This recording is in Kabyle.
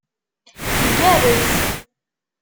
Igerrez.